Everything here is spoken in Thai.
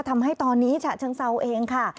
ทำให้ตอนนี้ฉะเชิงเซาเองค่ะ